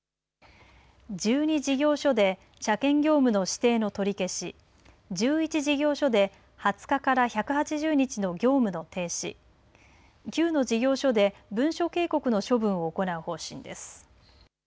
１２事業所で車検業務の指定の取り消し１１事業所で２０日から１８０日の業務の停止９の事業所で文書警告の処分を行う方針です。